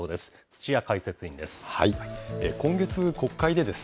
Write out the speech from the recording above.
土屋解説委員です。